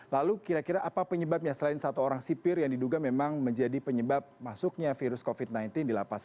lalu kira kira apa penyebabnya selain satu orang sipir yang diduga memang menjadi penyebab masuknya virus covid sembilan belas di lapas